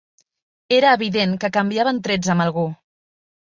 Era evident que canviaven trets amb algú